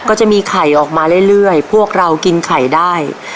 ก็จะมีไข่ออกมาเรื่อยพวกเรากินไข่ได้